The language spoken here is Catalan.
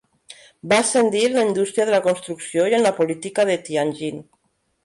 Va ascendir en la indústria de la construcció i en la política de Tianjin.